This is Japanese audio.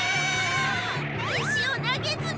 石を投げずに。